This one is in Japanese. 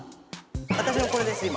私のこれです今。